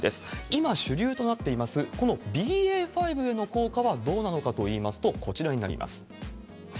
今主流となっています、このＢＡ．５への効果はどうなのかといいますと、こちらになります。